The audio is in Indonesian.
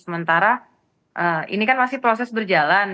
sementara ini kan masih proses berjalan